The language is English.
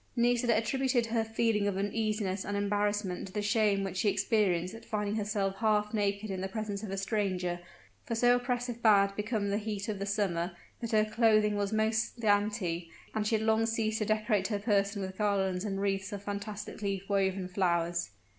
Nisida attributed her feeling of uneasiness and embarrassment to the shame which she experienced at finding herself half naked in the presence of a stranger, for so oppressive bad become the heat of the summer, that her clothing was most scanty, and she had long ceased to decorate her person with garlands and wreaths of fantastically woven flowers.